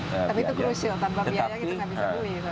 tapi itu krusial tanpa biaya kita nggak bisa beli